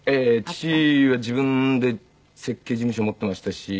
父は自分で設計事務所を持っていましたし。